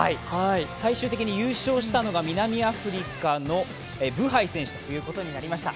最終的に優勝したのが南アフリカのブハイ選手ということになりました。